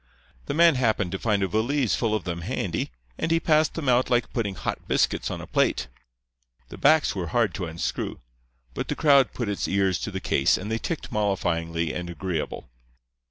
The man happened to find a valise full of them handy, and he passed them out like putting hot biscuits on a plate. The backs were hard to unscrew, but the crowd put its ear to the case, and they ticked mollifying and agreeable.